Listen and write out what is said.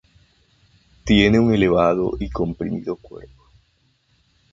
Tiene un elevado y comprimido cuerpo.